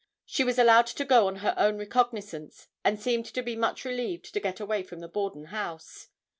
She was allowed to go on her own recognizance and seemed to be much relieved to get away from the Borden house.